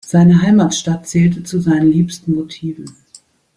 Seine Heimatstadt zählte zu seinen liebsten Motiven.